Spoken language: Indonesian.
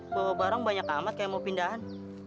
bawa barang banyak amat kayak mau pindahan